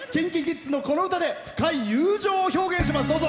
ＫｉｎＫｉＫｉｄｓのこの歌で深い友情を表現します。